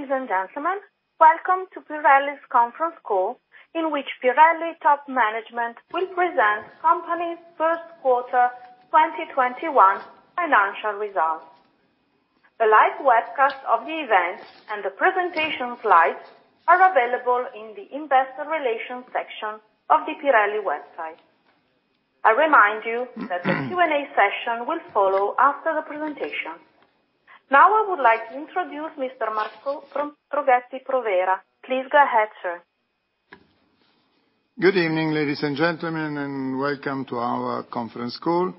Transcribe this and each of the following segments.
Ladies and gentlemen, welcome to Pirelli's conference call, in which Pirelli top management will present the company's first quarter 2021 financial results. The live webcast of the event and the presentation slides are available in the investor relations section of the Pirelli website. I remind you that the Q&A session will follow after the presentation. Now, I would like to introduce Mr. Marco Tronchetti Provera. Please go ahead, sir. Good evening, ladies and gentlemen, and welcome to our conference call.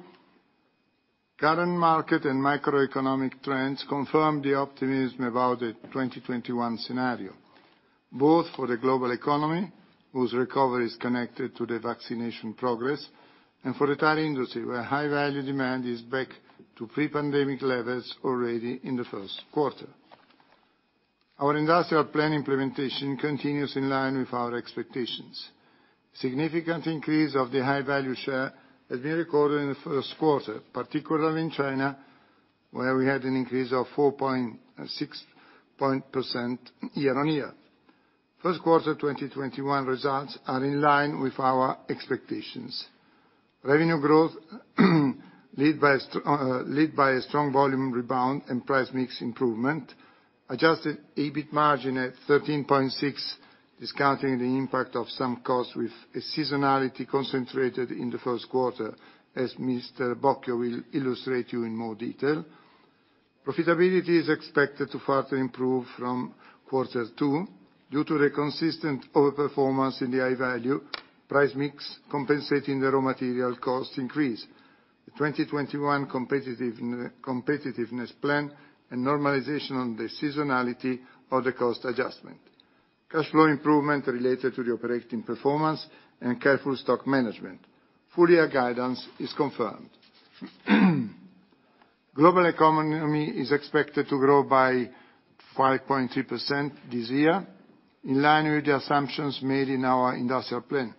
Current market and macroeconomic trends confirm the optimism about the 2021 scenario, both for the global economy, whose recovery is connected to the vaccination progress, and for the tire industry, were High Value demand is back to pre-pandemic levels already in the first quarter. Our industrial plan implementation continues in line with our expectations. Significant increase of the High Value share has been recorded in the first quarter, particularly in China, where we had an increase of 4.6% year-on-year. First quarter 2021 results are in line with our expectations. Revenue growth, led by a strong volume rebound and price mix improvement, Adjusted EBIT margin at 13.6%, discounting the impact of some costs with a seasonality concentrated in the first quarter, as Mr. Bocchio will illustrate you in more detail. Profitability is expected to further improve from quarter two due to the consistent overperformance in the High Value, price mix compensating the raw material cost increase, the 2021 competitiveness plan, and normalization on the seasonality of the cost adjustment. Cash flow improvement related to the operating performance and careful stock management. Full-year guidance is confirmed. Global economy is expected to grow by 5.3% this year, in line with the assumptions made in our industrial plan,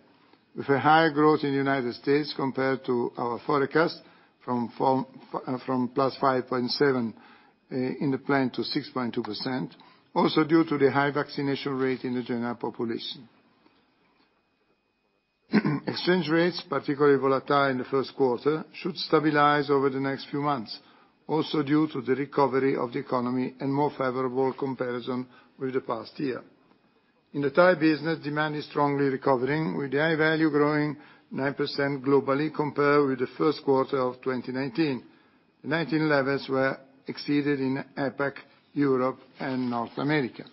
with a higher growth in the United States compared to our forecast, from +5.7% in the plan, to 6.2%, also due to the high vaccination rate in the general population. Exchange rates, particularly volatile in the first quarter, should stabilize over the next few months, also due to the recovery of the economy and more favorable comparison with the past year. In the tire business, demand is strongly recovering, with the High Value growing 9% globally compared with the first quarter of 2019. 19 levels were exceeded in APAC, Europe, and North America.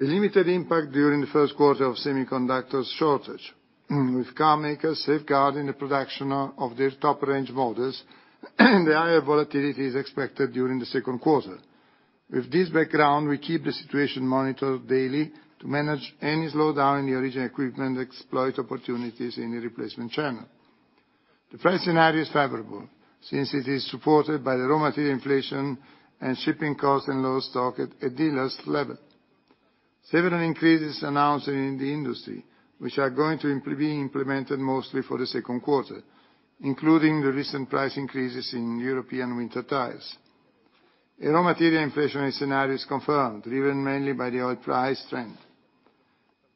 A limited impact during the first quarter of semiconductor shortage, with carmakers safeguarding the production of their top-range models, and the higher volatility is expected during the second quarter. With this background, we keep the situation monitored daily to manage any slowdown in the original equipment, exploit opportunities in the replacement channel. The price scenario is favorable, since it is supported by the raw material inflation and shipping costs and low stock at a dealer's level. Several increases announced in the industry, which are going to be implemented mostly for the second quarter, including the recent price increases in European winter tires. A raw material inflationary scenario is confirmed, driven mainly by the oil price trend.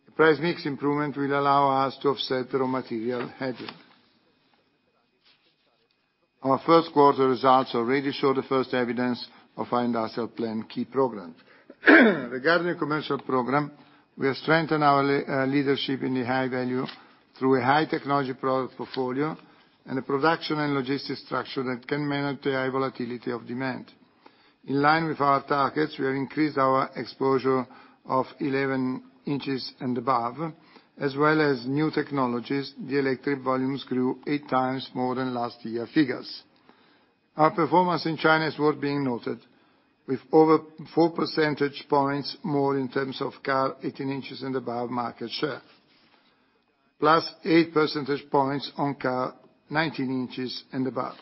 The price mix improvement will allow us to offset the raw material headwind. Our first quarter results already show the first evidence of our industrial plan key program. Regarding the commercial program, we have strengthened our leadership in the High Value through a high-technology product portfolio and a production and logistics structure that can manage the high volatility of demand. In line with our targets, we have increased our exposure of 11 inches and above, as well as new technologies. The electric volumes grew eight times more than last year figures. Our performance in China is worth being noted, with over 4 percentage points more in terms of car 18 inches and above market share, +8 percentage points on car 19 inches and above.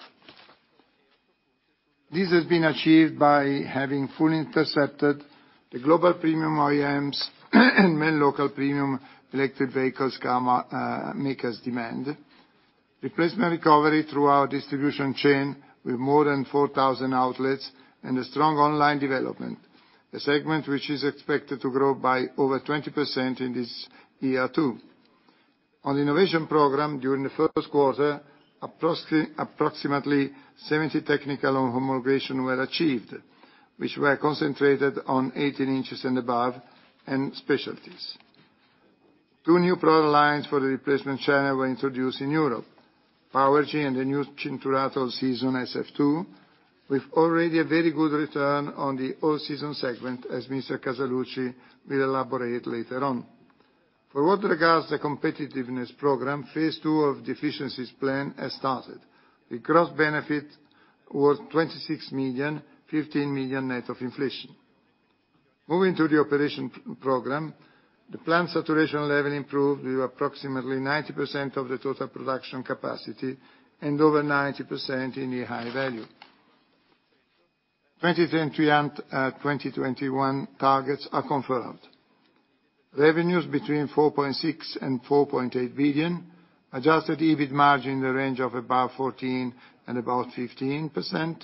This has been achieved by having fully intercepted the global premium OEMs and main local premium electric vehicles, makers' demand. Replacement recovery through our distribution chain with more than 4,000 outlets and a strong online development, a segment which is expected to grow by over 20% in this year, too. On the innovation program, during the first quarter, approximately 70 technical homologations were achieved, which were concentrated on 18 inches and above, and specialties. Two new product lines for the replacement channel were introduced in Europe, Powergy and the new Cinturato All Season SF2, with already a very good return on the all-season segment, as Mr. Casaluci will elaborate later on. For what regards the competitiveness program, phase II of the efficiencies plan has started. The gross benefit was 26 million, 15 million net of inflation. Moving to the operations program, the plant saturation level improved to approximately 90% of the total production capacity and over 90% in the High Value. 2020 and 2021 targets are confirmed. Revenues between 4.6 billion and 4.8 billion. Adjusted EBIT margin in the range of about 14% and about 15%.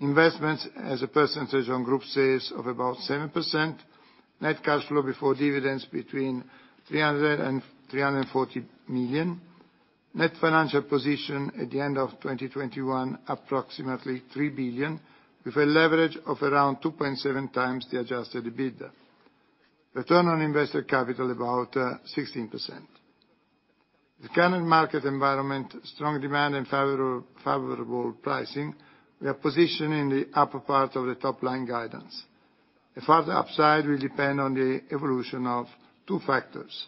Investments as a percentage on group sales of about 7%. Net cash flow before dividends between 300 million and 340 million. Net financial position at the end of 2021, approximately 3 billion, with a leverage of around 2.7 times the Adjusted EBITDA. Return on invested capital, about, 16%. The current market environment, strong demand and favorable pricing, we are positioned in the upper part of the top line guidance. A further upside will depend on the evolution of two factors.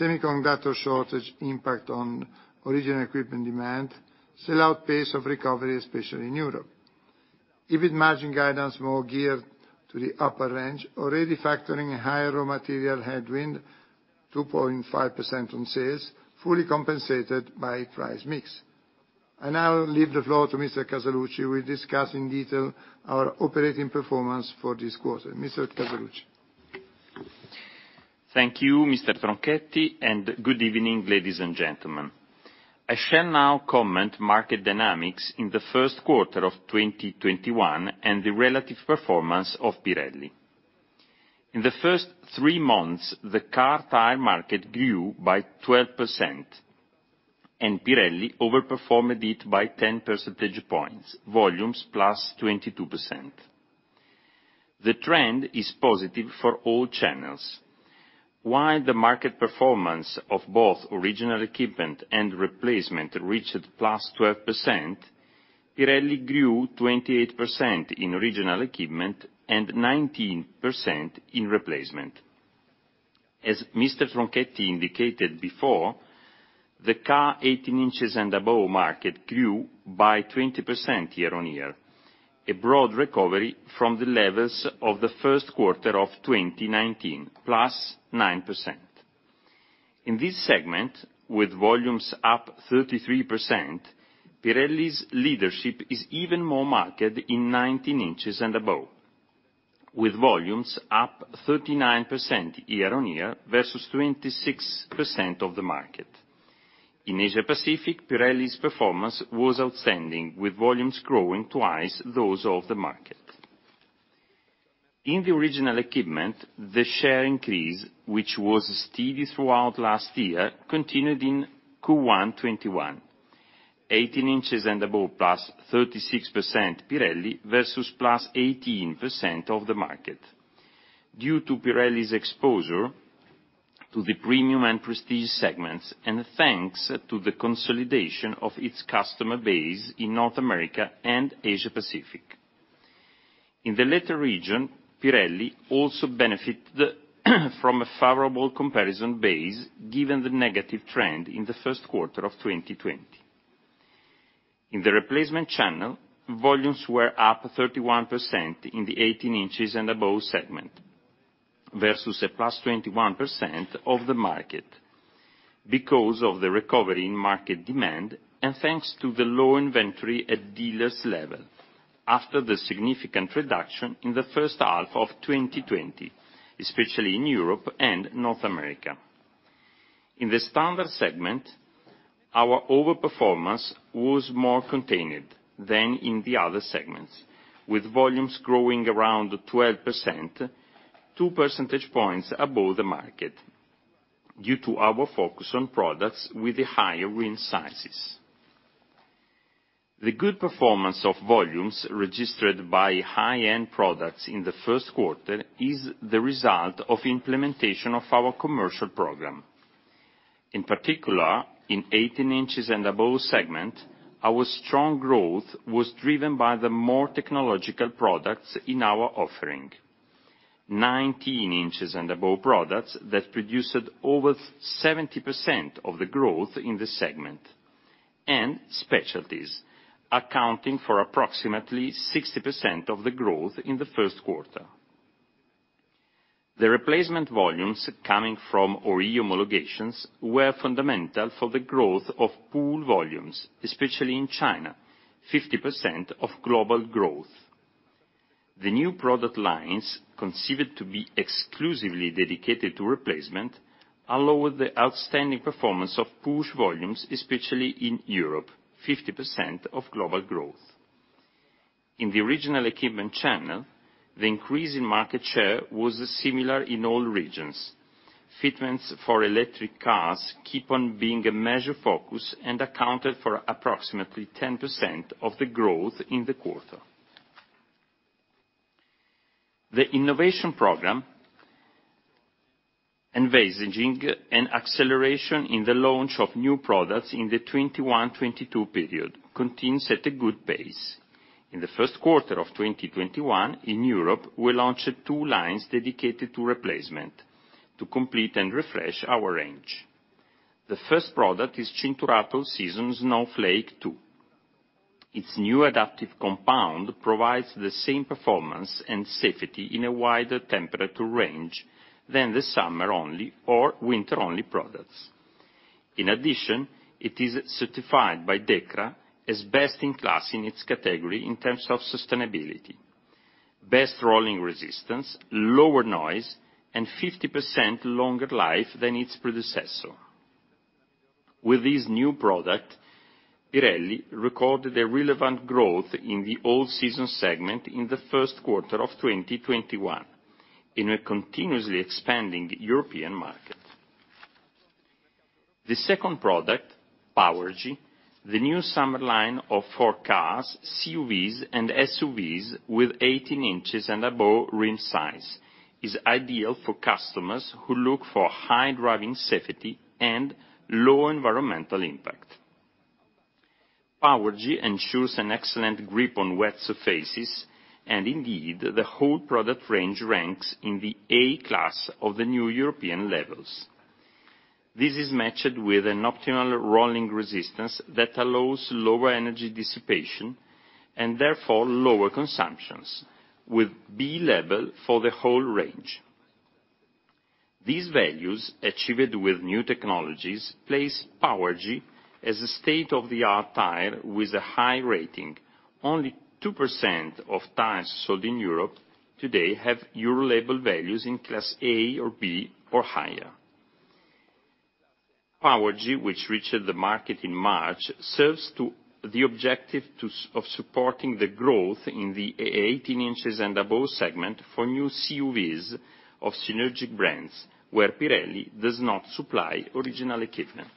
Semiconductor shortage impact on original equipment demand, sell-out pace of recovery, especially in Europe. EBIT margin guidance more geared to the upper range, already factoring a higher raw material headwind, 2.5% on sales, fully compensated by price mix. I now leave the floor to Mr. Casaluci, who will discuss in detail our operating performance for this quarter. Mr. Casaluci. Thank you, Mr. Tronchetti, and good evening, ladies and gentlemen. I shall now comment on market dynamics in the first quarter of 2021 and the relative performance of Pirelli. In the first three months, the car tire market grew by 12%, and Pirelli overperformed it by 10 percentage points, volumes +22%. The trend is positive for all channels. While the market performance of both original equipment and replacement reached +12%, Pirelli grew 28% in original equipment and 19% in replacement. As Mr. Tronchetti indicated before, the car 18 inches and above market grew by 20% year-on-year, a broad recovery from the levels of the first quarter of 2019, +9%. In this segment, with volumes up 33%, Pirelli's leadership is even more marked in 19 inches and above, with volumes up 39% year-on-year versus 26% of the market. In Asia Pacific, Pirelli's performance was outstanding, with volumes growing twice those of the market. In the original equipment, the share increase, which was steady throughout last year, continued in Q1 2021, 18 inches and above, plus 36% Pirelli versus plus 18% of the market. Due to Pirelli's exposure to the premium and prestige segments, and thanks to the consolidation of its customer base in North America and Asia Pacific. In the latter region, Pirelli also benefited from a favorable comparison base, given the negative trend in the first quarter of 2020. In the replacement channel, volumes were up 31% in the 18 inches and above segment, versus a +21% of the market, because of the recovery in market demand and thanks to the low inventory at dealers' level after the significant reduction in the first half of 2020, especially in Europe and North America. In the standard segment, our overperformance was more contained than in the other segments, with volumes growing around 12%, 2 percentage points above the market, due to our focus on products with the higher rim sizes. The good performance of volumes registered by high-end products in the first quarter is the result of implementation of our commercial program. In particular, in eighteen inches and above segment, our strong growth was driven by the more technological products in our offering. 19 inches and above products that produced over 70% of the growth in the segment, and specialties, accounting for approximately 60% of the growth in the first quarter. The replacement volumes coming from OE homologations were fundamental for the growth of pull volumes, especially in China, 50% of global growth. The new product lines, conceived to be exclusively dedicated to replacement, allowed the outstanding performance of push volumes, especially in Europe, 50% of global growth. In the original equipment channel, the increase in market share was similar in all regions. Fitments for electric cars keep on being a major focus and accounted for approximately 10% of the growth in the quarter. The innovation program envisaging an acceleration in the launch of new products in the 2021-2022 period, continues at a good pace. In the first quarter of 2021, in Europe, we launched two lines dedicated to replacement to complete and refresh our range. The first product is Cinturato All Season SF2. Its new adaptive compound provides the same performance and safety in a wider temperature range than the summer-only or winter-only products. In addition, it is certified by DEKRA as best in class in its category in terms of sustainability. Best rolling resistance, lower noise, and 50% longer life than its predecessor. With this new product, Pirelli recorded a relevant growth in the all-season segment in the first quarter of 2021, in a continuously expanding European market. The second product, Powergy, the new summer line for cars, CUVs, and SUVs, with 18 inches and above rim size, is ideal for customers who look for high driving safety and low environmental impact. Powergy ensures an excellent grip on wet surfaces, and indeed, the whole product range ranks in the A class of the new European labels. This is matched with an optimal rolling resistance that allows lower energy dissipation, and therefore, lower consumptions, with B level for the whole range. These values, achieved with new technologies, place Powergy as a state-of-the-art tire with a high rating. Only 2% of tires sold in Europe today have Euro label values in class A or B or higher. Powergy, which reached the market in March, serves to the objective to, of supporting the growth in the 18 inches and above segment for new CUVs of synergic brands, where Pirelli does not supply original equipment.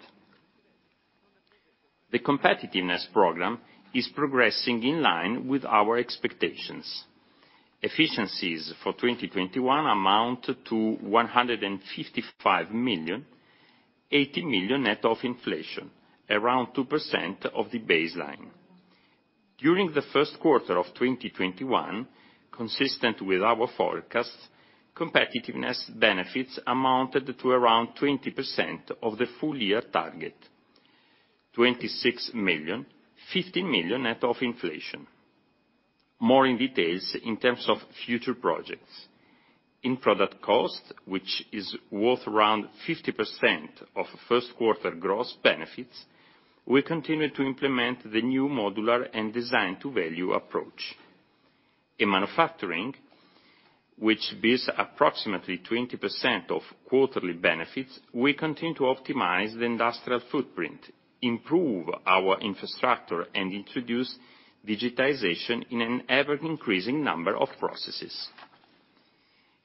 The competitiveness program is progressing in line with our expectations. Efficiencies for 2021 amount to 155 million, 80 million net of inflation, around 2% of the baseline. During the first quarter of 2021, consistent with our forecast, competitiveness benefits amounted to around 20% of the full year target, 26 million, 15 million net of inflation. More in details in terms of future projects. In product cost, which is worth around 50% of first quarter gross benefits, we continue to implement the new modular and design-to-value approach. In manufacturing, which bears approximately 20% of quarterly benefits, we continue to optimize the industrial footprint, improve our infrastructure, and introduce digitization in an ever-increasing number of processes.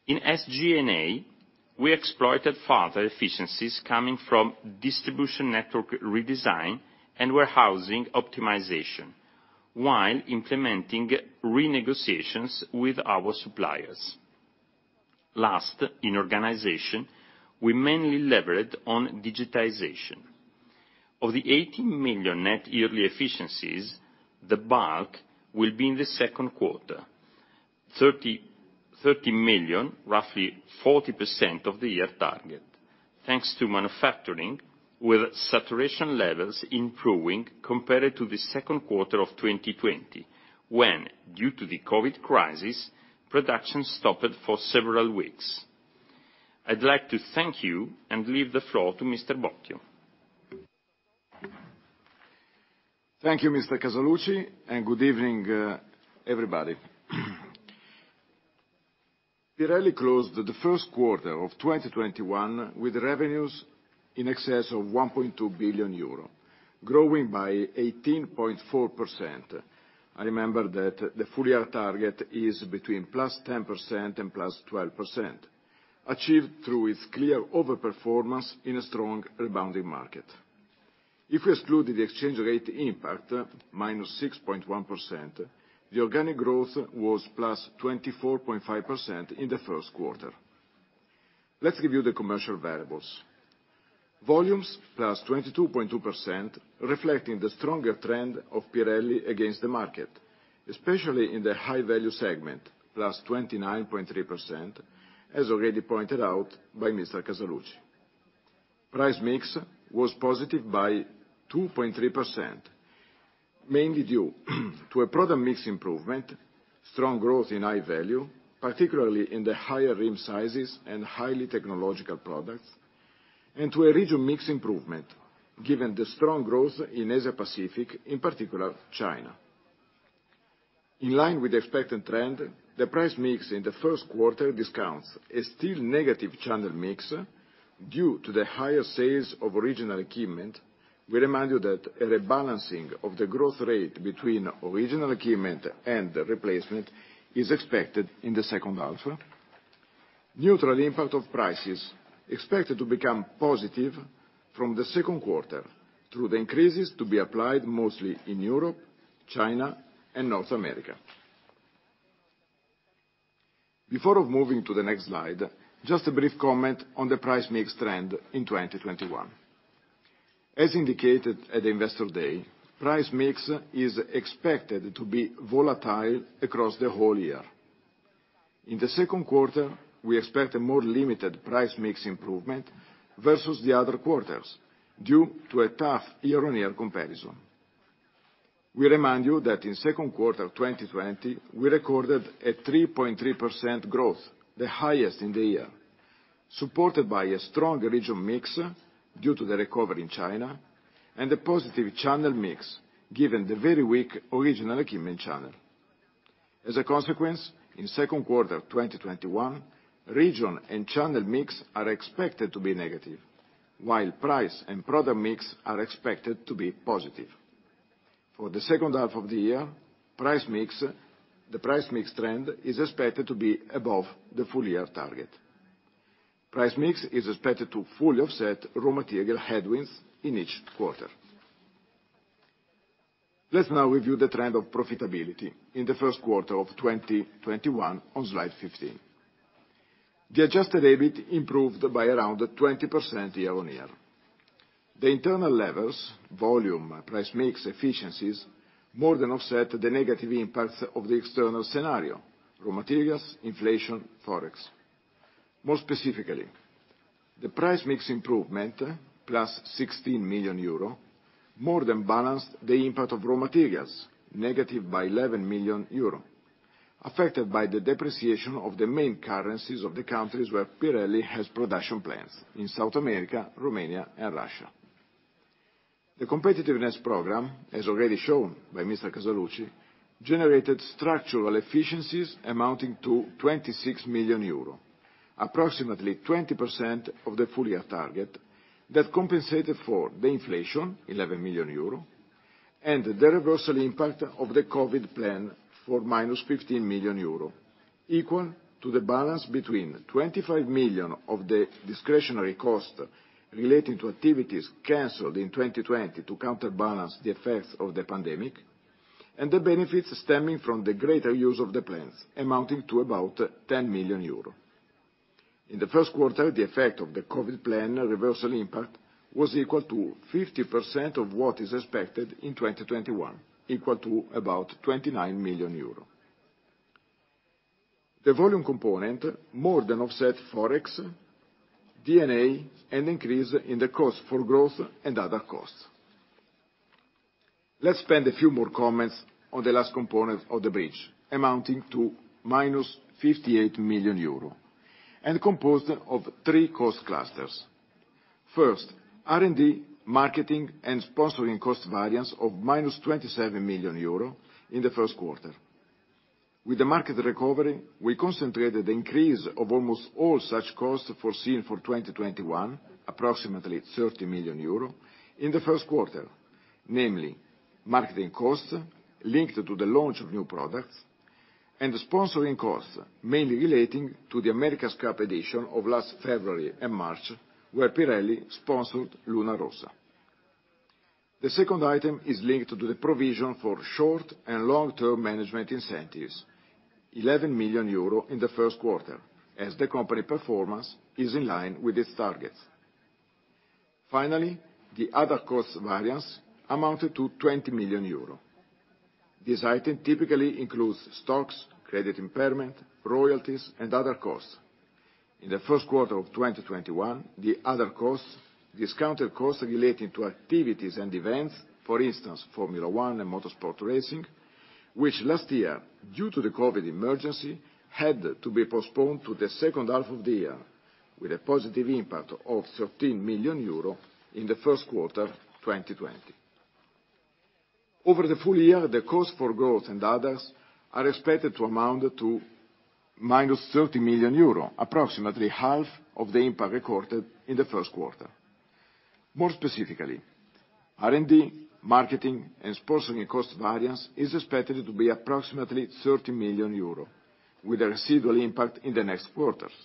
In SG&A, we exploited further efficiencies coming from distribution network redesign and warehousing optimization, while implementing renegotiations with our suppliers. Last, in organization, we mainly levered on digitization. Of the 80 million net yearly efficiencies, the bulk will be in the second quarter. 30 million, roughly 40% of the year target, thanks to manufacturing, with saturation levels improving compared to the second quarter of 2020, when, due to the COVID crisis, production stopped for several weeks. I'd like to thank you and leave the floor to Mr. Bocchio. Thank you, Mr. Casaluci, and good evening, everybody. Pirelli closed the first quarter of 2021 with revenues in excess of 1.2 billion euro, growing by 18.4%. I remember that the full year target is between +10% and +12%, achieved through its clear overperformance in a strong rebounding market. If we exclude the exchange rate impact, minus 6.1%, the organic growth was +24.5% in the first quarter. Let's give you the commercial variables. Volumes, +22.2%, reflecting the stronger trend of Pirelli against the market, especially in the High Value segment, +29.3%, as already pointed out by Mr. Casaluci. Price mix was positive by 2.3%, mainly due to a product mix improvement, strong growth in High Value, particularly in the higher rim sizes and highly technological products, and to a region mix improvement, given the strong growth in Asia Pacific, in particular, China. In line with the expected trend, the price mix in the first quarter discounts a still negative channel mix, due to the higher sales of original equipment. We remind you that a rebalancing of the growth rate between original equipment and replacement is expected in the second half. Neutral impact of prices expected to become positive from the second quarter through the increases to be applied mostly in Europe, China, and North America. Before moving to the next slide, just a brief comment on the price mix trend in 2021. As indicated at the Investor Day, price mix is expected to be volatile across the whole year. In the second quarter, we expect a more limited price mix improvement versus the other quarters, due to a tough year-on-year comparison. We remind you that in second quarter of 2020, we recorded a 3.3% growth, the highest in the year, supported by a strong region mix due to the recovery in China, and a positive channel mix, given the very weak original equipment channel. As a consequence, in second quarter of 2021, region and channel mix are expected to be negative, while price and product mix are expected to be positive. For the second half of the year, price mix, the price mix trend is expected to be above the full year target. Price mix is expected to fully offset raw material headwinds in each quarter. Let's now review the trend of profitability in the first quarter of 2021 on slide 15. The Adjusted EBIT improved by around 20% year-on-year. The internal levers, volume, price mix, efficiencies, more than offset the negative impacts of the external scenario, raw materials, inflation, forex. More specifically, the price mix improvement, plus 16 million euro, more than balanced the impact of raw materials, negative by 11 million euro, affected by the depreciation of the main currencies of the countries where Pirelli has production plants, in South America, Romania, and Russia. The competitiveness program, as already shown by Mr. Casaluci generated structural efficiencies amounting to 26 million euro, approximately 20% of the full year target, that compensated for the inflation, 11 million euro, and the reversal impact of the COVID plan for minus 15 million euro, equal to the balance between 25 million of the discretionary cost relating to activities canceled in 2020 to counterbalance the effects of the pandemic, and the benefits stemming from the greater use of the plans, amounting to about 10 million euros. In the first quarter, the effect of the COVID plan reversal impact was equal to 50% of what is expected in 2021, equal to about 29 million euro. The volume component more than offset forex, D&A, and increase in the cost for growth and other costs. Let's spend a few more comments on the last component of the bridge, amounting to minus 58 million euro and composed of three cost clusters. First, R&D, marketing, and sponsoring cost variance of minus 27 million euro in the first quarter. With the market recovery, we concentrated the increase of almost all such costs foreseen for 2021, approximately 30 million euro, in the first quarter. Namely, marketing costs linked to the launch of new products, and sponsoring costs, mainly relating to the America's Cup edition of last February and March, where Pirelli sponsored Luna Rossa. The second item is linked to the provision for short and long-term management incentives, 11 million euro in the first quarter, as the company performance is in line with its targets. Finally, the other costs variance amounted to 20 million euro. This item typically includes stocks, credit impairment, royalties, and other costs. In the first quarter of 2021, the other costs, discounted costs relating to activities and events, for instance, Formula 1 and motorsport racing, which last year, due to the COVID emergency, had to be postponed to the second half of the year, with a positive impact of 13 million euro in the first quarter, 2020. Over the full year, the cost for growth and others are expected to amount to minus 30 million euro, approximately half of the impact recorded in the first quarter. More specifically, R&D, marketing, and sponsoring cost variance is expected to be approximately 30 million euro, with a residual impact in the next quarters.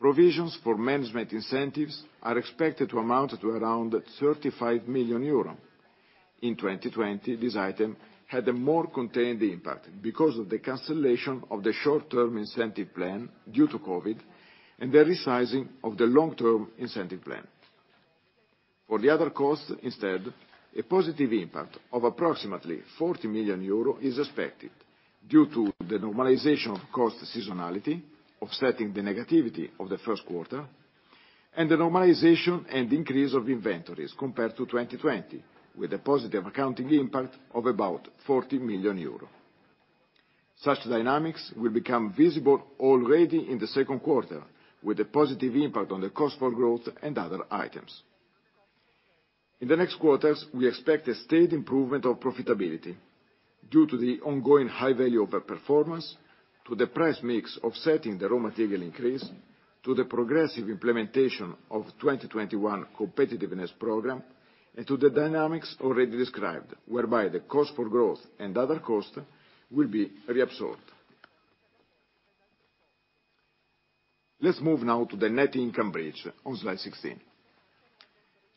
Provisions for management incentives are expected to amount to around 35 million euros. In 2020, this item had a more contained impact because of the cancellation of the short-term incentive plan due to COVID, and the resizing of the long-term incentive plan. For the other costs instead, a positive impact of approximately 40 million euro is expected due to the normalization of cost seasonality, offsetting the negativity of the first quarter, and the normalization and increase of inventories compared to 2020, with a positive accounting impact of about 40 million euro. Such dynamics will become visible already in the second quarter, with a positive impact on the cost for growth and other items. In the next quarters, we expect a steady improvement of profitability due to the ongoing High Value overperformance, to the price mix offsetting the raw material increase, to the progressive implementation of the 2021 competitiveness program, and to the dynamics already described, whereby the cost for growth and other costs will be reabsorbed. Let's move now to the net income bridge on slide 16.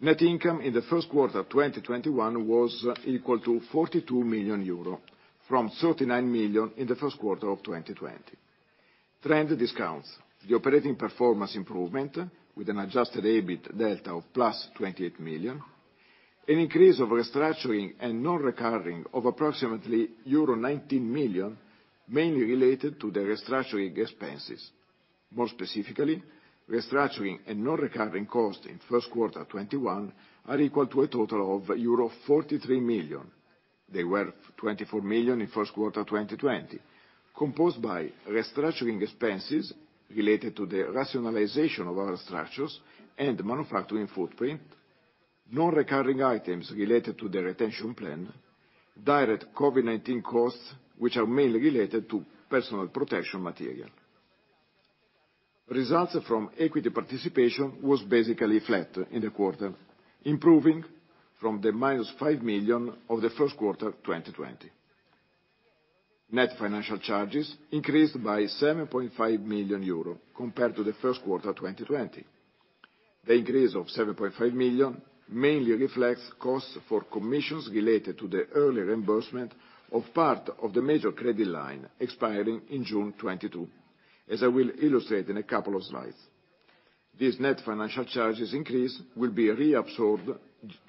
Net income in the first quarter of 2021 was equal to 42 million euro, from 39 million in the first quarter of 2020. Trend discounts, the operating performance improvement with an Adjusted EBIT delta of plus 28 million, an increase of restructuring and non-recurring of approximately euro 19 million, mainly related to the restructuring expenses. More specifically, restructuring and non-recurring costs in first quarter 2021 are equal to a total of euro 43 million. They were 24 million in first quarter 2020, composed by restructuring expenses related to the rationalization of our structures and manufacturing footprint, non-recurring items related to the retention plan, direct COVID-19 costs, which are mainly related to personal protection material. Results from equity participation was basically flat in the quarter, improving from the minus 5 million of the first quarter 2020. Net financial charges increased by 7.5 million euro compared to the first quarter 2020. The increase of 7.5 million mainly reflects costs for commissions related to the early reimbursement of part of the major credit line expiring in June 2022, as I will illustrate in a couple of slides. This net financial charges increase will be reabsorbed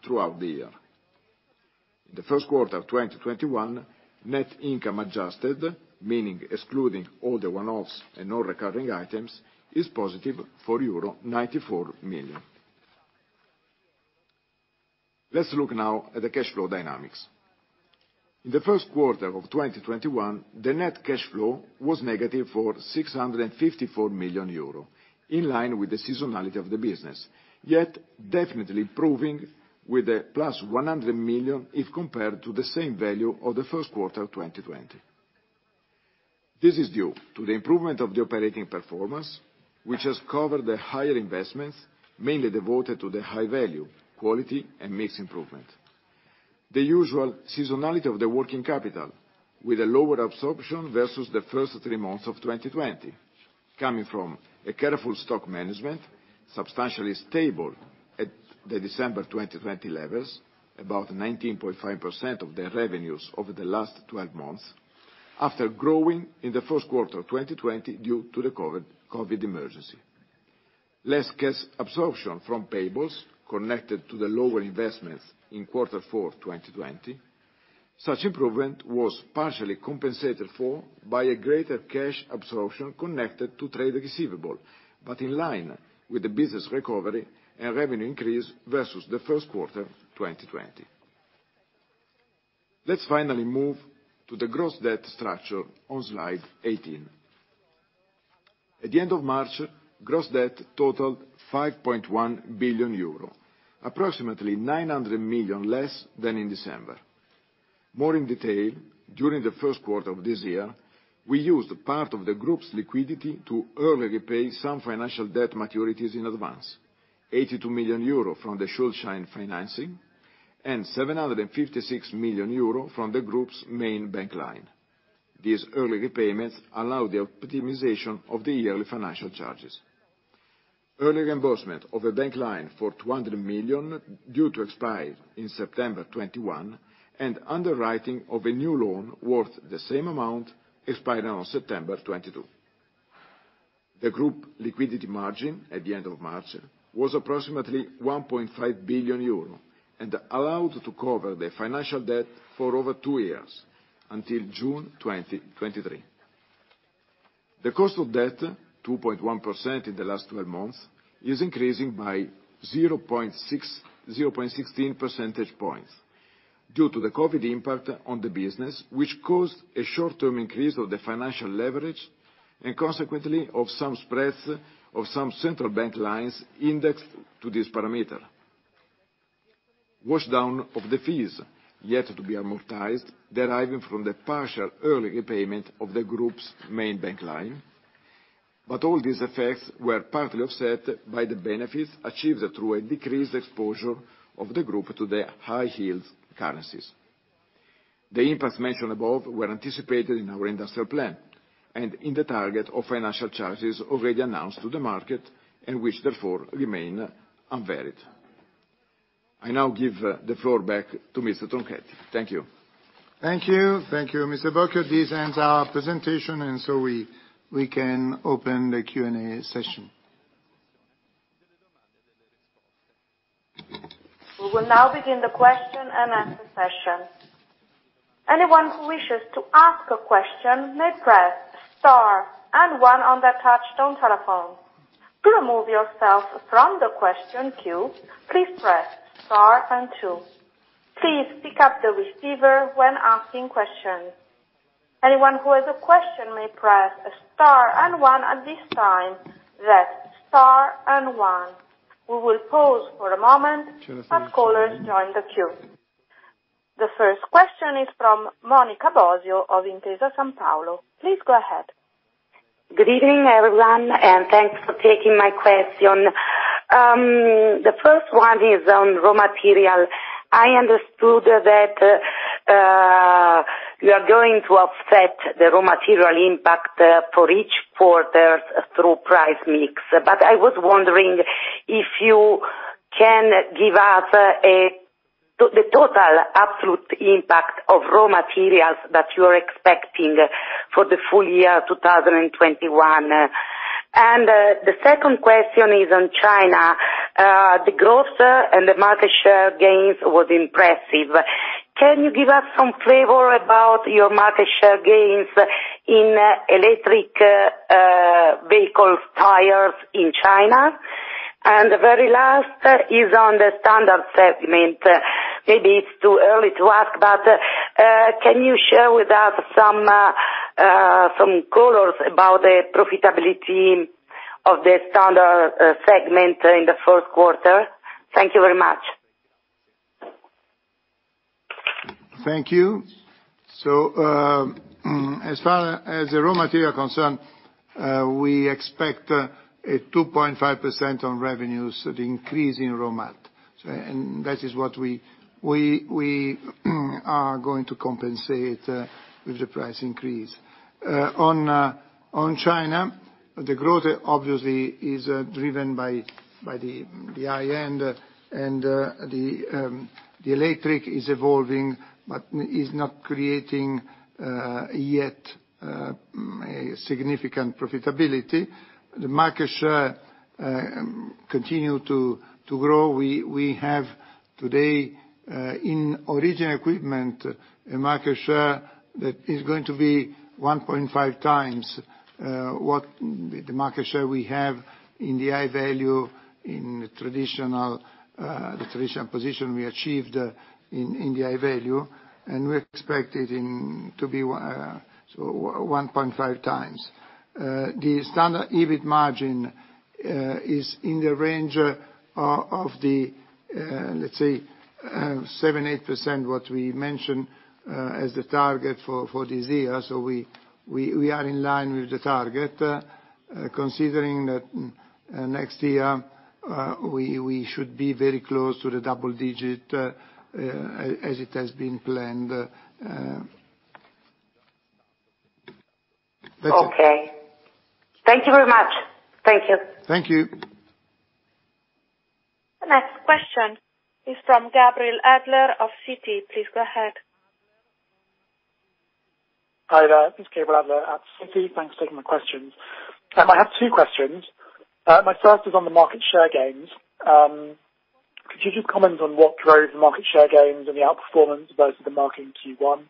throughout the year. In the first quarter of 2021, net income adjusted, meaning excluding all the one-offs and non-recurring items, is positive EUR 94 million. Let's look now at the cash flow dynamics. In the first quarter of 2021, the net cash flow was negative 654 million euro, in line with the seasonality of the business, yet definitely improving with a plus 100 million if compared to the same value of the first quarter of 2020 This is due to the improvement of the operating performance, which has covered the higher investments, mainly devoted to the High Value, quality, and mix improvement. The usual seasonality of the working capital, with a lower absorption versus the first three months of 2020, coming from a careful stock management, substantially stable at the December 2020 levels, about 19.5% of the revenues over the last 12 months, after growing in the first quarter of 2020 due to the COVID emergency. Less cash absorption from payables connected to the lower investments in quarter four, 2020. Such improvement was partially compensated for by a greater cash absorption connected to trade receivable, but in line with the business recovery and revenue increase versus the first quarter 2020. Let's finally move to the gross debt structure on slide 18. At the end of March, gross debt totaled 5.1 billion euro, approximately 900 million less than in December. More in detail, during the first quarter of this year, we used part of the group's liquidity to early repay some financial debt maturities in advance. 82 million euro from the Schuldschein financing, and 756 million euro from the group's main bank line. These early repayments allow the optimization of the yearly financial charges. Early reimbursement of the bank line for 200 million, due to expire in September 2021, and underwriting of a new loan worth the same amount, expiring on September 2022. The group liquidity margin at the end of March was approximately 1.5 billion euro, and allowed to cover the financial debt for over two years, until June 2023. The cost of debt, 2.1% in the last 12 months, is increasing by 0.16 percentage points due to the COVID impact on the business, which caused a short-term increase of the financial leverage, and consequently, of some spreads of some central bank lines indexed to this parameter. Washdown of the fees, yet to be amortized, deriving from the partial early repayment of the group's main bank line. But all these effects were partly offset by the benefits achieved through a decreased exposure of the group to the high-yield currencies. The impacts mentioned above were anticipated in our industrial plan, and in the target of financial charges already announced to the market, and which therefore remain unvaried. I now give the floor back to Mr. Tronchetti. Thank you. Thank you. Thank you, Mr. Bocchio. This ends our presentation, and so we can open the Q&A session. We will now begin the question and answer session. Anyone who wishes to ask a question may press star and one on their touchtone telephone. To remove yourself from the question queue, please press star and two. Please pick up the receiver when asking questions. Anyone who has a question may press star and one at this time. That's star and one. We will pause for a moment as callers join the queue. The first question is from Monica Bosio of Intesa Sanpaolo. Please go ahead. Good evening, everyone, and thanks for taking my question. The first one is on raw material. I understood that you are going to offset the raw material impact for each quarter through price mix. But I was wondering if you can give us to the total absolute impact of raw materials that you are expecting for the full year 2021? And the second question is on China. The growth and the market share gains was impressive. Can you give us some flavor about your market share gains in electric vehicle tires in China? And the very last is on the standard segment. Maybe it's too early to ask, but can you share with us some colors about the profitability of the standard segment in the first quarter? Thank you very much. Thank you, so as far as the raw material are concerned, we expect a 2.5% on revenues, the increase in raw mat. And that is what we are going to compensate with the price increase. On China, the growth obviously is driven by the high end and the electric is evolving, but is not creating yet a significant profitability. The market share continue to grow. We have today in Original Equipment a market share that is going to be 1.5x what the market share we have in the High Value, in the traditional position we achieved in the High Value, and we expect it to be so 1.5x. The standard EBIT margin is in the range of, let's say, 7%-8% what we mentioned as the target for this year. So we are in line with the target, considering that next year we should be very close to the double digit as it has been planned. That's it. Okay. Thank you very much. Thank you. Thank you. The next question is from Gabriel Adler of Citi. Please go ahead. Hi there, it's Gabriel Adler at Citi. Thanks for taking my questions. I have two questions. My first is on the market share gains. Could you just comment on what drove the market share gains and the outperformance versus the market in Q1?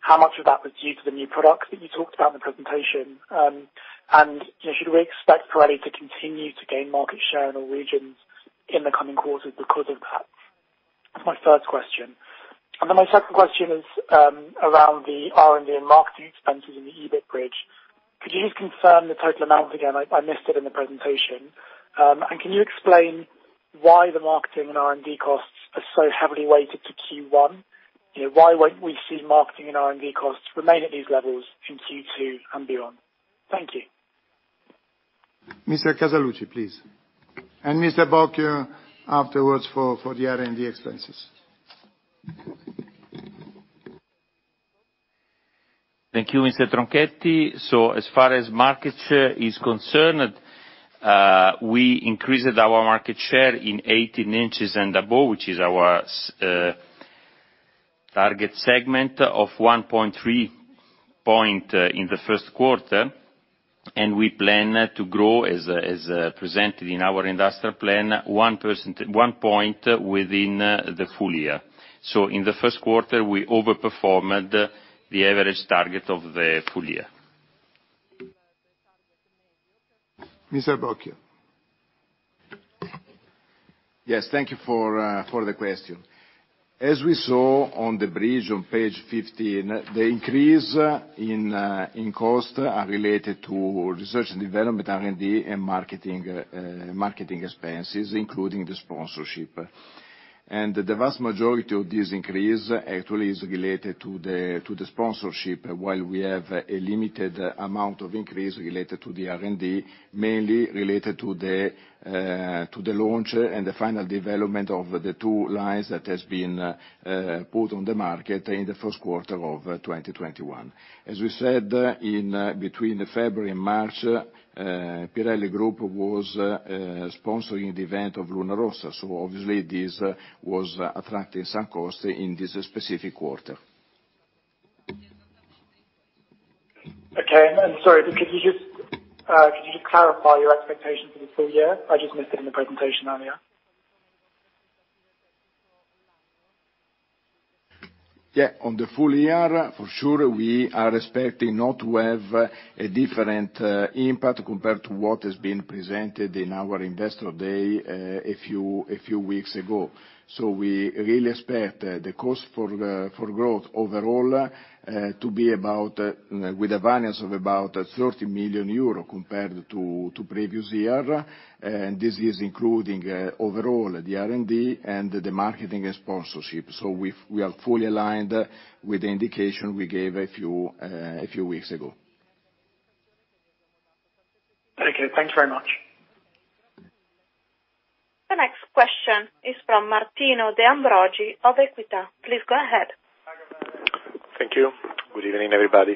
How much of that was due to the new products that you talked about in the presentation? And, you know, should we expect Pirelli to continue to gain market share in all regions in the coming quarters because of that? That's my first question. And then my second question is around the R&D and marketing expenses in the EBIT bridge. Could you just confirm the total amount again? I missed it in the presentation. And can you explain why the marketing and R&D costs are so heavily weighted to Q1? You know, why won't we see marketing and R&D costs remain at these levels in Q2 and beyond? Thank you. Mr. Casaluci, please, and Mr. Bocchio afterwards for the R&D expenses. Thank you, Mr. Tronchetti. So as far as market share is concerned, we increased our market share in 18 inches and above, which is our target segment of 1.3 point in the first quarter, and we plan to grow, as presented in our industrial plan, 1 point within the full year. In the first quarter, we overperformed the average target of the full year. Mr. Bocchio? Yes, thank you for the question. As we saw on the bridge on page 15, the increase in cost are related to research and development, R&D, and marketing expenses, including the sponsorship, and the vast majority of this increase actually is related to the sponsorship, while we have a limited amount of increase related to the R&D, mainly related to the launch and the final development of the two lines that has been put on the market in the first quarter of 2021. As we said, between February and March, Pirelli Group was sponsoring the event of Luna Rossa, so obviously this was attracting some costs in this specific quarter. Okay. And sorry, could you just clarify your expectations for the full year? I just missed it in the presentation earlier. Yeah, on the full year, for sure, we are expecting not to have a different impact compared to what has been presented in our Investor Day a few weeks ago. So we really expect the cost for growth overall to be about with a variance of about 30 million euro compared to previous year. This is including overall the R&D and the marketing and sponsorship. So we are fully aligned with the indication we gave a few weeks ago. Okay. Thanks very much. The next question is from Martino De Ambrogi of Equita. Please go ahead. Thank you. Good evening, everybody.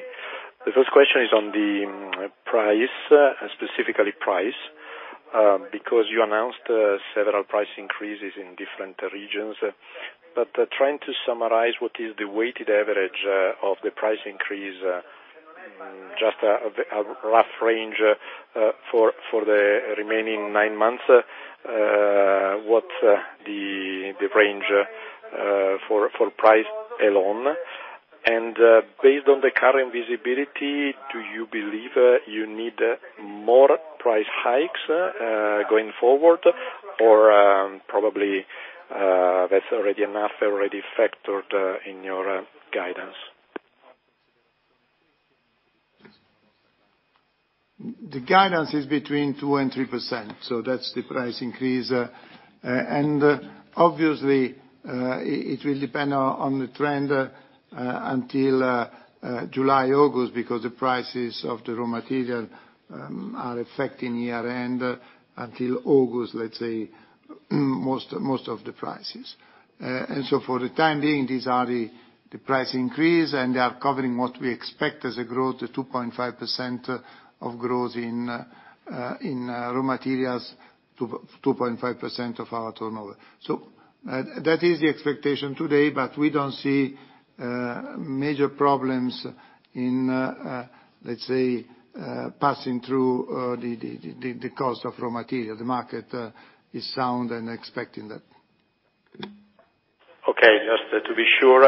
The first question is on the price, specifically price, because you announced several price increases in different regions. But trying to summarize, what is the weighted average of the price increase, just a rough range for the remaining nine months, what the range for price alone? And, based on the current visibility, do you believe you need more price hikes going forward? Or, probably, that's already enough already factored in your guidance. The guidance is between 2% and 3%, so that's the price increase. Obviously, it will depend on the trend until July, August, because the prices of the raw material are affecting year-end until August, let's say, most of the prices. For the time being, these are the price increase, and they are covering what we expect as a growth to 2.5% of growth in raw materials, 2.5% of our turnover. That is the expectation today, but we don't see major problems in, let's say, passing through the cost of raw material. The market is sound and expecting that. Okay, just to be sure,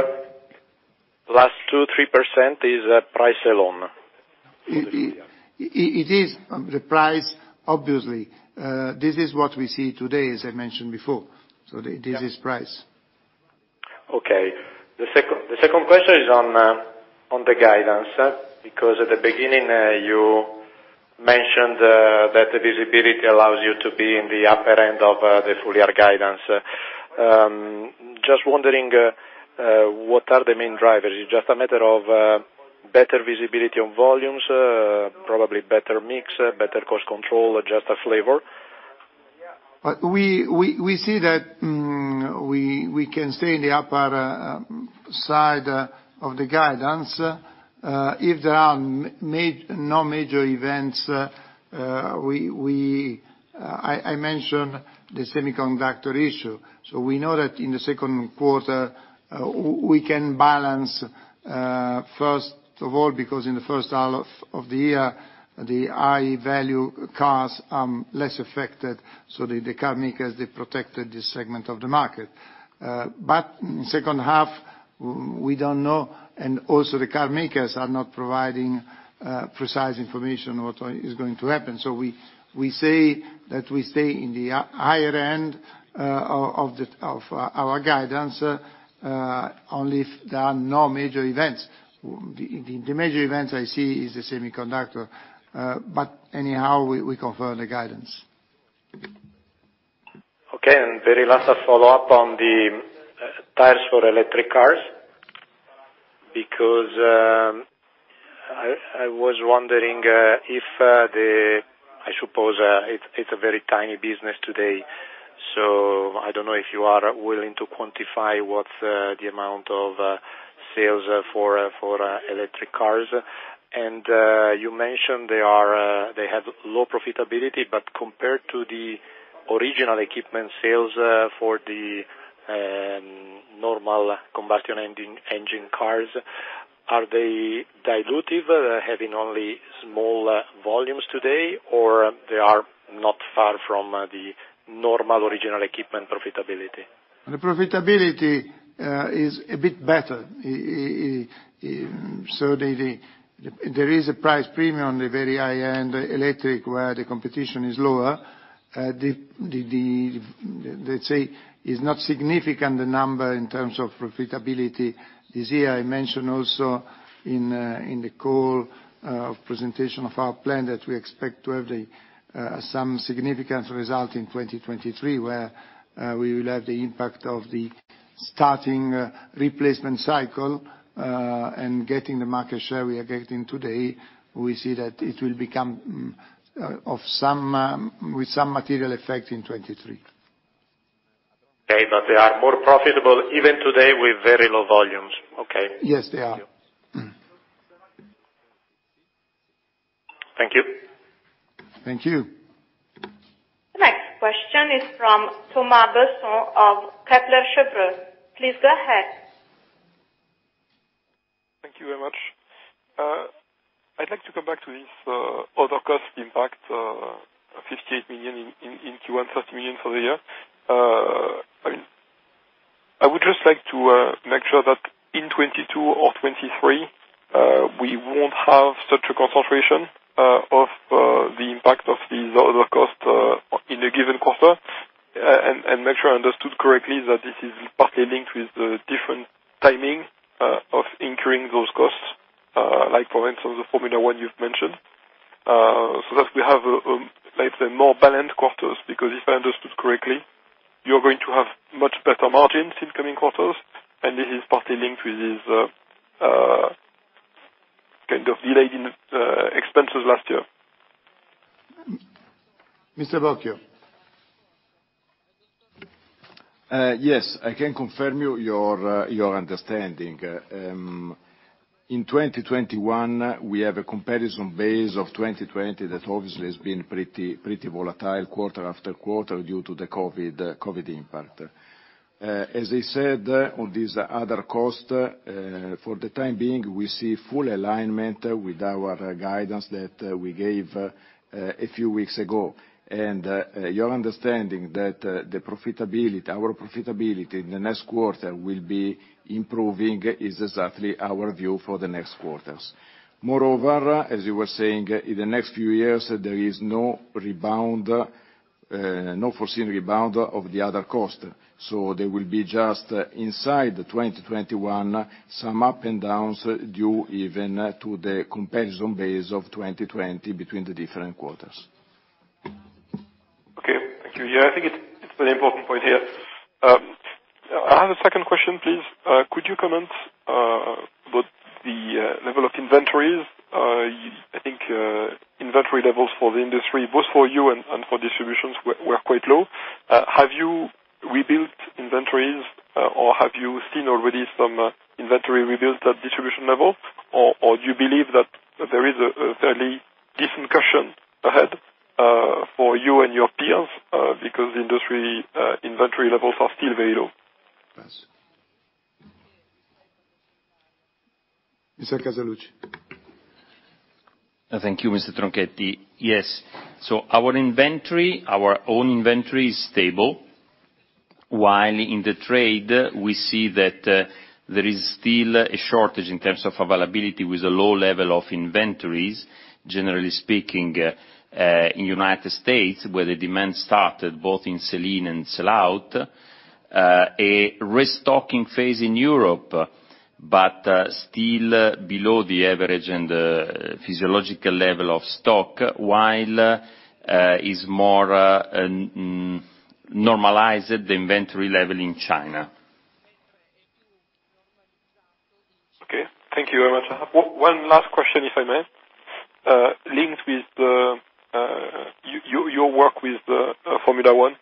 last 2%-3% is price alone? It is the price, obviously. This is what we see today, as I mentioned before, so this is price. Okay. The second question is on the guidance, because at the beginning, you mentioned that the visibility allows you to be in the upper end of the full year guidance. Just wondering, what are the main drivers? Is it just a matter of better visibility on volumes, probably better mix, better cost control, or just a flavor? We see that we can stay in the upper side of the guidance if there are no major events. I mentioned the semiconductor issue. So we know that in the second quarter we can balance first of all because in the first half of the year the high-value cars are less affected so the car makers they protected this segment of the market. But second half we don't know and also the car makers are not providing precise information on what is going to happen. So we say that we stay in the higher end of our guidance only if there are no major events. The major events I see is the semiconductor, but anyhow, we confirm the guidance. Okay, and very last, a follow-up on the tires for electric cars, because I was wondering if I suppose it's a very tiny business today, so I don't know if you are willing to quantify what's the amount of sales for electric cars. And you mentioned they have low profitability, but compared to the original equipment sales for the normal combustion engine cars, are they dilutive, having only small volumes today, or they are not far from the normal original equipment profitability? The profitability is a bit better, so there is a price premium on the very high-end electric, where the competition is lower. The let's say is not significant, the number, in terms of profitability this year. I mentioned also in the call of presentation of our plan, that we expect to have some significant result in 2023, where we will have the impact of the starting replacement cycle and getting the market share we are getting today. We see that it will become of some with some material effect in 2023. Okay, but they are more profitable even today with very low volumes. Okay. Yes, they are. Thank you. Thank you. The next question is from Thomas Besson of Kepler Cheuvreux. Please go ahead. Thank you very much. I'd like to come back to this other cost impact, 58 million in Q1, 30 million for the year. I mean, I would just like to make sure that in 2022 or 2023, we won't have such a concentration of the impact of these other costs in a given quarter. And make sure I understood correctly that this is partly linked with the different timing of incurring those costs, like for instance, the Formula 1 you've mentioned. So that we have, let's say, more balanced quarters, because if I understood correctly, you're going to have much better margins in coming quarters, and this is partly linked with this kind of delay in expenses last year. Mr. Bocchio? Yes, I can confirm your understanding. In 2021, we have a comparison base of 2020 that obviously has been pretty volatile quarter after quarter due to the COVID impact. As I said, on these other costs, for the time being, we see full alignment with our guidance that, we gave, a few weeks ago. And, your understanding that, the profitability, our profitability in the next quarter will be improving, is exactly our view for the next quarters. Moreover, as you were saying, in the next few years, there is no rebound, no foreseen rebound of the other cost. So there will be just inside the 2021, some up and downs due even to the comparison base of 2020 between the different quarters. Okay, thank you. Yeah, I think it's a very important point here. I have a second question, please. Could you comment about the level of inventories? I think inventory levels for the industry, both for you and for distributors were quite low. Have you rebuilt inventories, or have you seen already some inventory rebuild at distribution level? Or do you believe that there is a fairly destocking ahead for you and your peers because the industry inventory levels are still very low? Yes. Mr. Casaluci. Thank you, Mr. Tronchetti. Yes, so our inventory, our own inventory is stable. While in the trade, we see that, there is still a shortage in terms of availability with a low level of inventories. Generally speaking, in United States, where the demand started, both in Sell-in and Sell-out, a restocking phase in Europe, but, still below the average and, physiological level of stock, while, is more, normalized, the inventory level in China. Okay, thank you very much. I have one last question, if I may. Linked with your work with the Formula 1.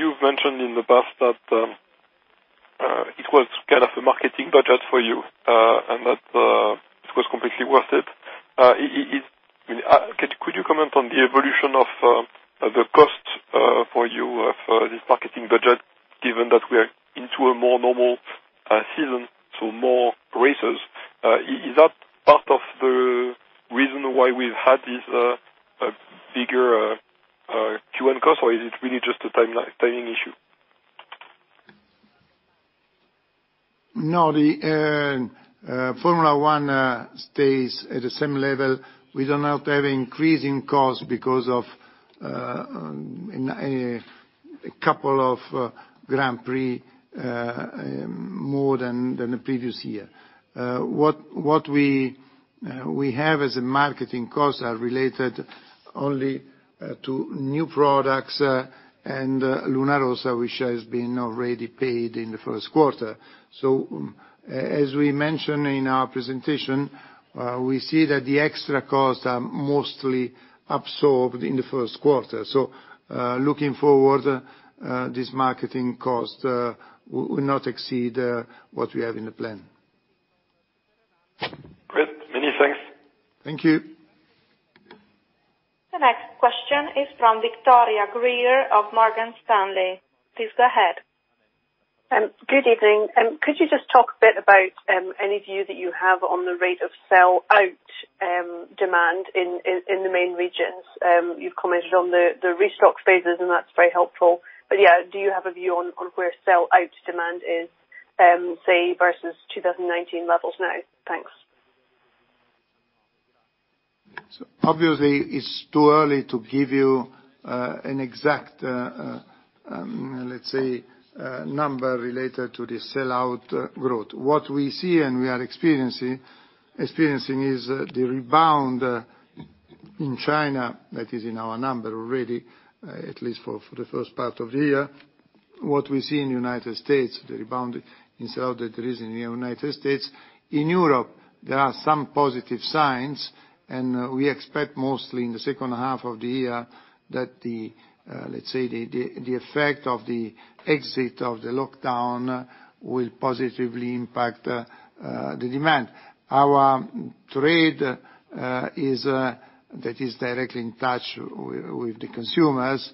You've mentioned in the past that it was kind of a marketing budget for you, and that it was completely worth it. Could you comment on the evolution of the cost for you for this marketing budget, given that we are into a more normal season, so more races? Is that part of the reason why we've had this bigger Q1 cost, or is it really just a timing issue? No, the Formula 1 stays at the same level. We do not have increasing costs because of a couple of Grand Prix more than the previous year. What we have as marketing costs are related only to new products and Luna Rossa, which has been already paid in the first quarter. So as we mentioned in our presentation, we see that the extra costs are mostly absorbed in the first quarter. So, looking forward, this marketing cost will not exceed what we have in the plan. Great, many thanks. Thank you. The next question is from Victoria Greer of Morgan Stanley. Please go ahead. Good evening. Could you just talk a bit about any view that you have on the rate of sell-out demand in the main regions? You've commented on the restock phases, and that's very helpful. But, yeah, do you have a view on where sell-out demand is, say, versus two thousand nineteen levels now? Thanks. So obviously, it's too early to give you an exact, let's say, number related to the sell-out growth. What we see and we are experiencing is the rebound in China, that is in our number already, at least for the first part of the year. What we see in the United States, the rebound in sell-out that there is in the United States. In Europe, there are some positive signs, and we expect mostly in the second half of the year, that the, let's say, effect of the exit of the lockdown will positively impact the demand. Our trade is that is directly in touch with the consumers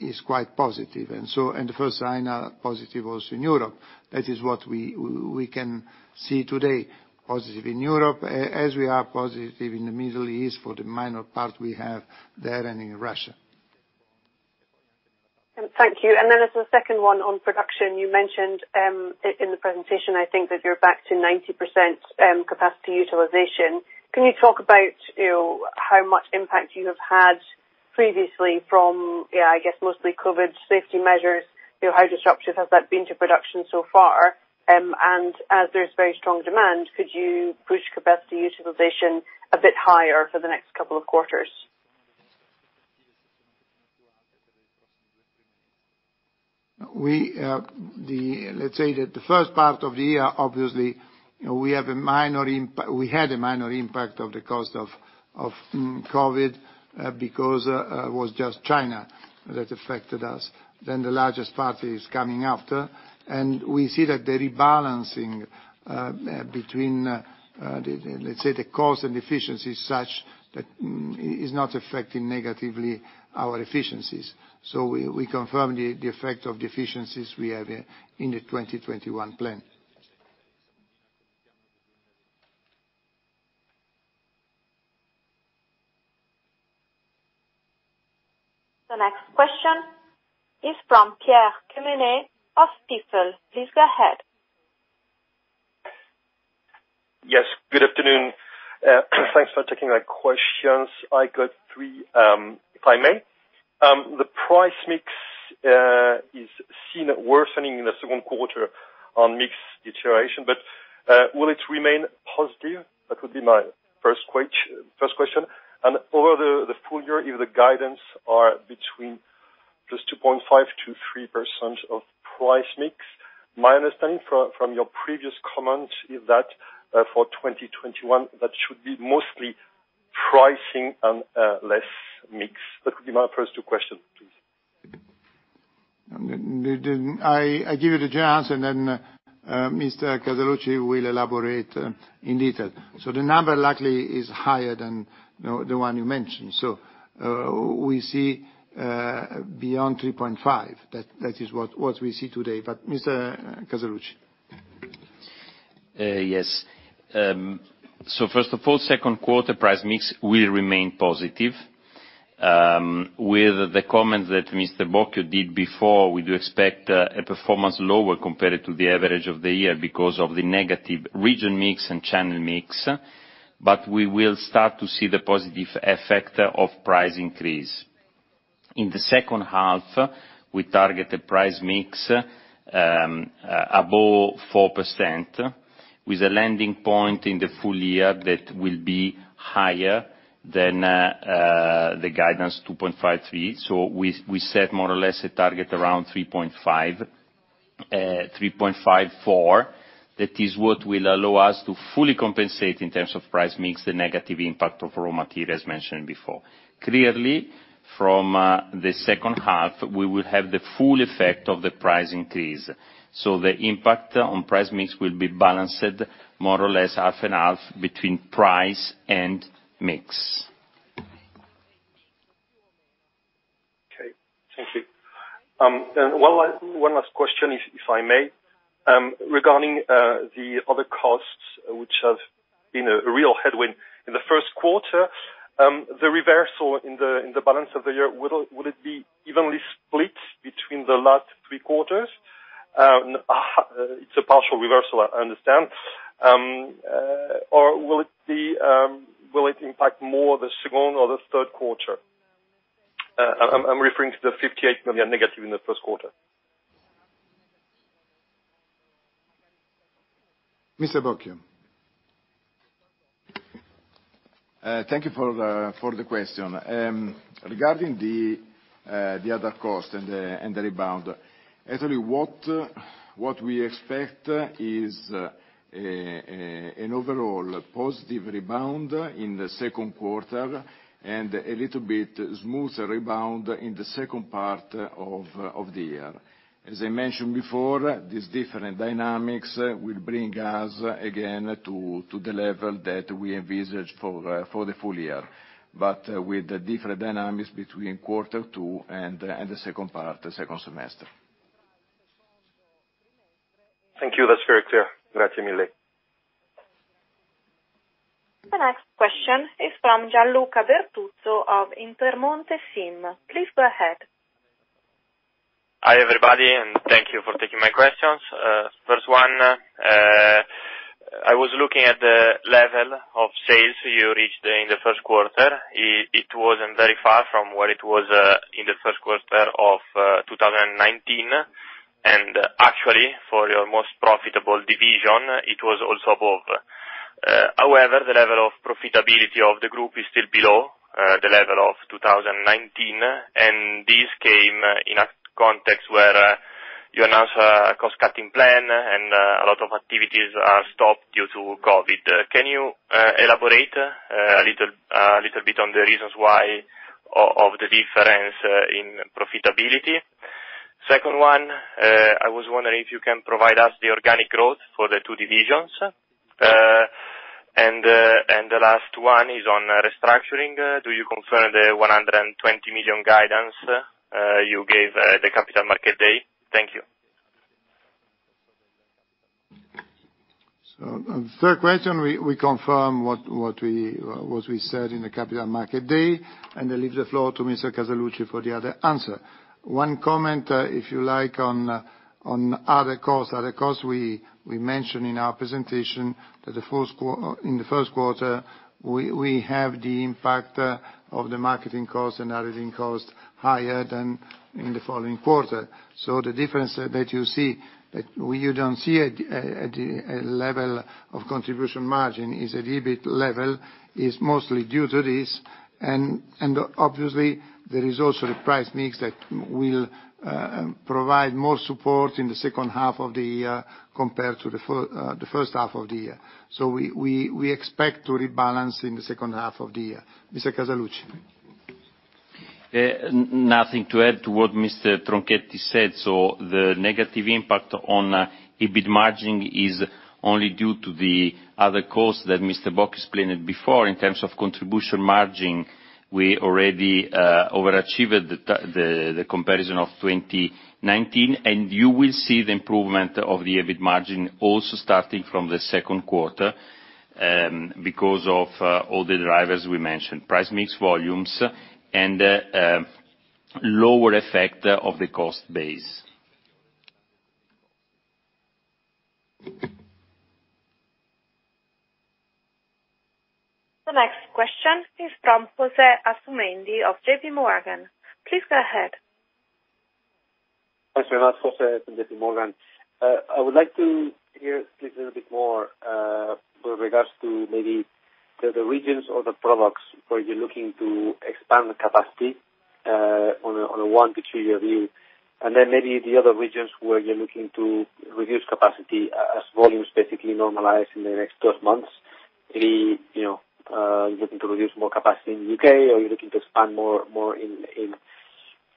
is quite positive. And so the first sign are positive also in Europe. That is what we can see today, positive in Europe, as we are positive in the Middle East for the minor part we have there and in Russia. Thank you. And then as a second one on production, you mentioned in the presentation, I think that you're back to 90% capacity utilization. Can you talk about, you know, how much impact you have had previously from, yeah, I guess, mostly COVID safety measures, you know, how disruptive has that been to production so far? And as there's very strong demand, could you push capacity utilization a bit higher for the next couple of quarters? We, let's say that the first part of the year, obviously, you know, we had a minor impact of the cost of COVID, because it was just China that affected us, then the largest part is coming after. And we see that the rebalancing between, let's say, the cost and efficiency is such that is not affecting negatively our efficiencies. So we confirm the effect of the efficiencies we have in the 2021 plan. The next question is from Pierre Quemener of Stifel. Please go ahead. Yes, good afternoon. Thanks for taking my questions. I got three, if I may. The price mix is seen worsening in the second quarter on mix deterioration, but will it remain positive? That would be my first question. And over the full year, if the guidance are between just 2.5%-3% of price mix, my understanding from your previous comments is that for 2021, that should be mostly pricing and less mix. That would be my first two question, please. I give you the general answer, and then Mr. Casaluci will elaborate in detail. The number likely is higher than the one you mentioned. We see beyond 3.5. That is what we see today. But Mr. Casaluci? Yes. So first of all, second quarter price mix will remain positive. With the comments that Mr. Bocchio did before, we do expect a performance lower compared to the average of the year because of the negative region mix and channel mix, but we will start to see the positive effect of price increase. In the second half, we target a price mix above 4%, with a landing point in the full year that will be higher than the guidance 2.53%. So we set more or less a target around 3.5-4%. That is what will allow us to fully compensate, in terms of price mix, the negative impact of raw materials mentioned before. Clearly, from the second half, we will have the full effect of the price increase, so the impact on price mix will be balanced more or less half and half between price and mix. Okay, thank you. And one last question, if I may. Regarding the other costs, which have been a real headwind in the first quarter, the reversal in the balance of the year, would it be evenly split between the last three quarters? It's a partial reversal, I understand. Or will it be will it impact more the second or the third quarter? I'm referring to the 58 million negative in the first quarter. Mr. Bocchio. Thank you for the question. Regarding the other cost and the rebound, actually, what we expect is an overall positive rebound in the second quarter and a little bit smoother rebound in the second part of the year. As I mentioned before, these different dynamics will bring us again to the level that we envisaged for the full year, but with the different dynamics between quarter two and the second part, the second semester. Thank you. That's very clear. Grazie mille. The next question is from Gianluca Bertuzzo of Intermonte SIM. Please go ahead. Hi, everybody, and thank you for taking my questions. First one, I was looking at the level of sales you reached in the first quarter. It wasn't very far from what it was in the first quarter of two thousand and nineteen, and actually, for your most profitable division, it was also above. However, the level of profitability of the group is still below the level of two thousand and nineteen, and this came in a context where you announced a cost-cutting plan, and a lot of activities are stopped due to COVID. Can you elaborate a little bit on the reasons why of the difference in profitability? Second one, I was wondering if you can provide us the organic growth for the two divisions. The last one is on restructuring. Do you confirm the 120 million guidance you gave the Capital Markets Day? Thank you. So on third question, we confirm what we said in the Capital Market Day, and I leave the floor to Mr. Casaluci for the other answer. One comment, if you like, on other costs. Other costs, we mentioned in our presentation that in the first quarter, we have the impact of the marketing costs and advertising costs higher than in the following quarter. So the difference that you see, that we, you don't see at the level of contribution margin is at the EBIT level, is mostly due to this. And obviously, there is also the price mix that will provide more support in the second half of the year compared to the first half of the year. So we expect to rebalance in the second half of the year. Mr. Casaluci? Nothing to add to what Mr. Tronchetti said. So the negative impact on EBIT margin is only due to the other costs that Mr. Bocchio explained before. In terms of contribution margin, we already overachieved the comparison of 2019, and you will see the improvement of the EBIT margin also starting from the second quarter, because of all the drivers we mentioned, price, mix, volumes, and lower effect of the cost base. The next question is from Jose Asumendi of J.P. Morgan. Please go ahead. Thanks very much, José from J.P. Morgan. I would like to hear a little bit more with regards to maybe the regions or the products where you're looking to expand the capacity on a one to two year view, and then maybe the other regions where you're looking to reduce capacity as volumes basically normalize in the next 12 months. Maybe, you know, you're looking to reduce more capacity in U.K., or you're looking to expand more in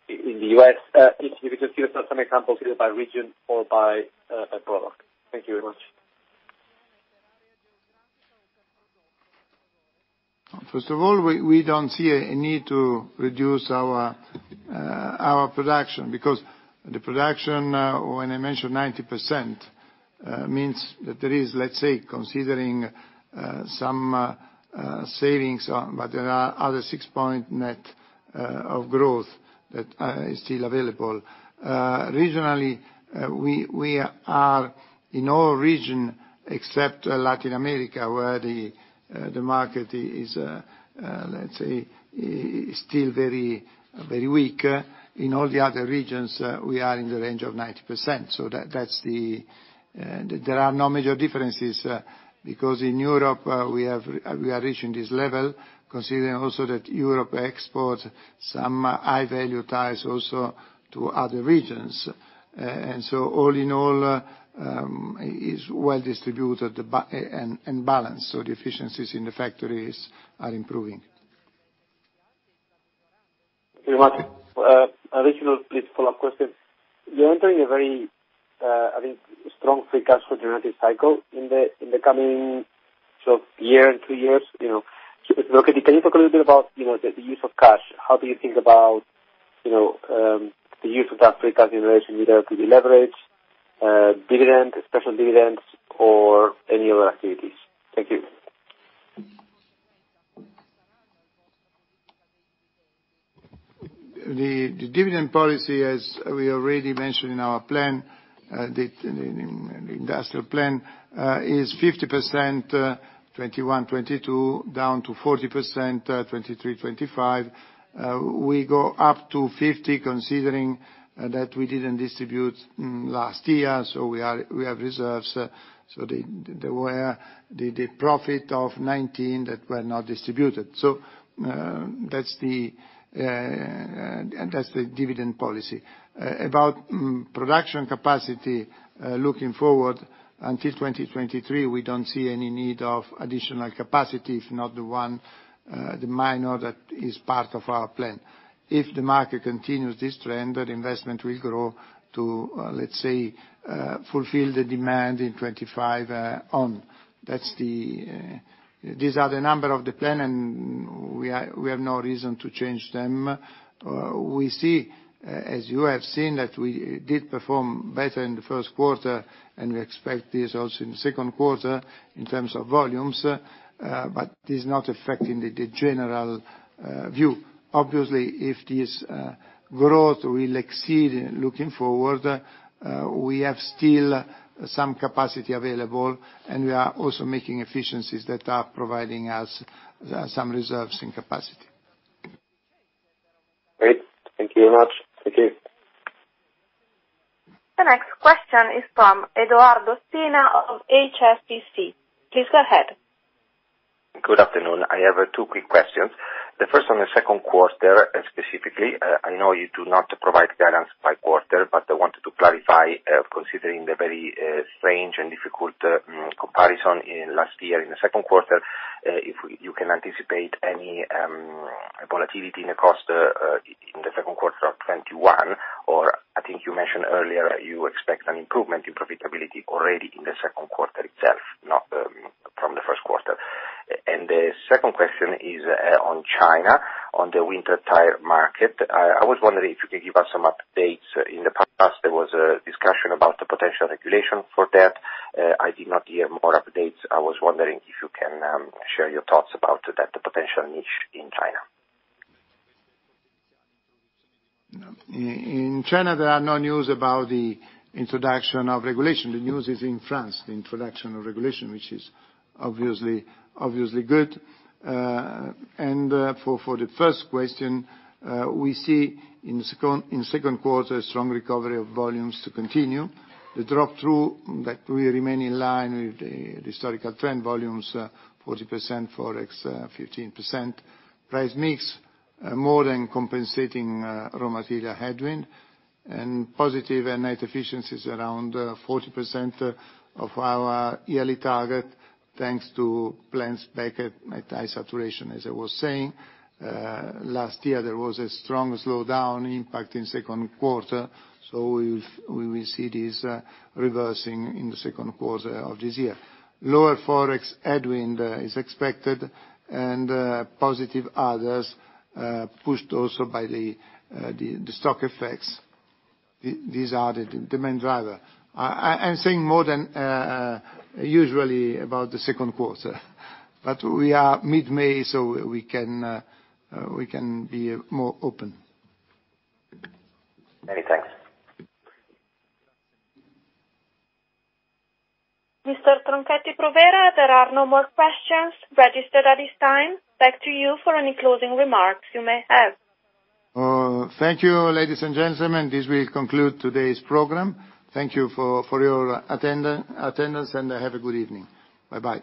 the U.S. If you could give us some examples, either by region or by product. Thank you very much. First of all, we don't see a need to reduce our production, because the production, when I mentioned 90%, means that there is, let's say, considering some savings, but there are other six points net of growth that is still available. Regionally, we are in all regions except Latin America, where the market is, let's say, is still very, very weak. In all the other regions, we are in the range of 90%, so that's the. There are no major differences, because in Europe, we are reaching this level, considering also that Europe exports some High Value tires also to other regions. And so all in all is well distributed, and balanced, so the efficiencies in the factories are improving. Thank you very much. An additional, please, follow-up question. You're entering a very, I think, strong free cash flow generative cycle in the coming year and two years, you know, so if you can talk a little bit about, you know, the use of cash. How do you think about, you know, the use of that free cash generation, either to deleverage, dividend, special dividends, or any other activities? Thank you. The dividend policy, as we already mentioned in our plan, the industrial plan, is 50% 2021-2022, down to 40% 2023-2025. We go up to 50%, considering that we didn't distribute last year, so we are we have reserves. So there were the profit of 2019 that were not distributed. So that's the dividend policy. About production capacity, looking forward, until 2023, we don't see any need of additional capacity, if not the one, the minor that is part of our plan. If the market continues this trend, that investment will grow to, let's say, fulfill the demand in 2025 on. That's the. These are the numbers of the plan, and we are, we have no reason to change them. We see, as you have seen, that we did perform better in the first quarter, and we expect this also in the second quarter in terms of volumes, but this is not affecting the general view. Obviously, if this growth will exceed looking forward, we have still some capacity available, and we are also making efficiencies that are providing us some reserves in capacity. Great. Thank you very much. Thank you. The next question is from Edoardo Spina of HSBC. Please go ahead. Good afternoon. I have two quick questions. The first on the second quarter, and specifically, I know you do not provide guidance by quarter, but I wanted to clarify, considering the very strange and difficult comparison in last year, in the second quarter, if you can anticipate any volatility in the cost, in the second quarter of 2021, or I think you mentioned earlier, you expect an improvement in profitability already in the second quarter itself, not from the first quarter. And the second question is, on China, on the winter tire market. I was wondering if you could give us some updates. In the past, there was a discussion about the potential regulation for that. I did not hear more updates. I was wondering if you can share your thoughts about the potential niche in China? In China, there are no news about the introduction of regulation. The news is in France, the introduction of regulation, which is obviously good. And for the first question, we see in second quarter, strong recovery of volumes to continue. The drop through that will remain in line with the historical trend, volumes 40%, forex 15%. Price mix more than compensating raw material headwind, and positive net efficiencies around 40% of our yearly target, thanks to plants back at high saturation. As I was saying, last year, there was a strong slowdown impact in second quarter, so we will see this reversing in the second quarter of this year. Lower forex headwind is expected, and positive others, pushed also by the stock effects. These are the main driver. I'm saying more than usually about the second quarter, but we are mid-May, so we can be more open. Many thanks. Mr. Tronchetti Provera, there are no more questions registered at this time. Back to you for any closing remarks you may have. Thank you, ladies and gentlemen. This will conclude today's program. Thank you for your attendance, and have a good evening. Bye-bye.